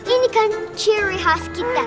ini kan ciri khas kita